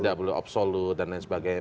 tidak boleh absolut dan lain sebagainya